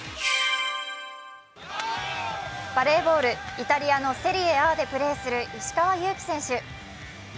バレーボールイタリアのセリエＡでプレーする石川祐希選手